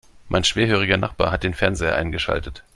Mein schwerhöriger Nachbar hat den Fernseher eingeschaltet.